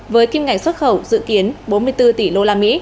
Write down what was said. với kim ngành xuất khẩu dự kiến bốn mươi bốn tỷ usd